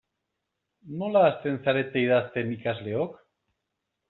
Nola hasten zarete idazten ikasleok?